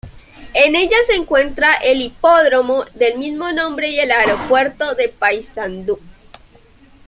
En ella se encuentra el Hipódromo del mismo nombre y el Aeropuerto de Paysandú.